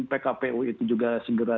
pkpu itu juga segera